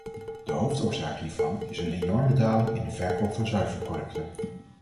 De hoofdoorzaak hiervan is een enorme daling in de verkoop van zuivelproducten.